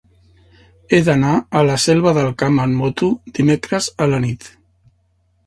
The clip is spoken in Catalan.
He d'anar a la Selva del Camp amb moto dimecres a la nit.